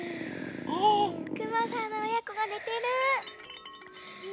くまさんのおやこがねてる。